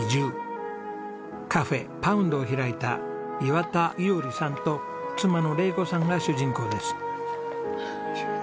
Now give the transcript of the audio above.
カフェＰＯＵＮＤを開いた岩田衣織さんと妻の玲子さんが主人公です。